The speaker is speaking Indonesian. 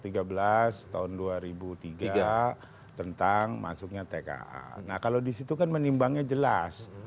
undang undang nomor tiga belas tahun dua ribu tiga tentang masuknya tka nah kalau di situ kan menimbangnya jelas